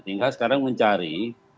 tinggal sekarang mencari